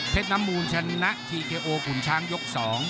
น้ำมูลชนะทีเคโอขุนช้างยก๒